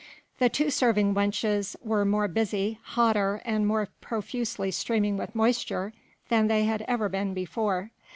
The two serving wenches were more busy, hotter and more profusely streaming with moisture than they had ever been before.